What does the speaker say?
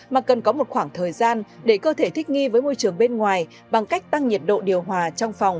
mà cần có một khoảng thời gian để cơ thể thích nghi với môi trường bên ngoài bằng cách tăng nhiệt độ điều hòa trong phòng